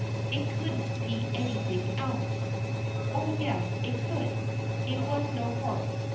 " It couldn't be anything else." Oh, yes, it could. It was no horse.